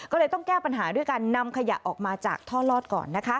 ก็เลยต้องแก้ปัญหาด้วยการนำขยะออกมาจากท่อลอดก่อน